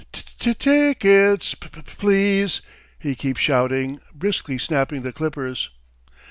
"T t t ickets ... P p p please!" he keeps shouting, briskly snapping the clippers.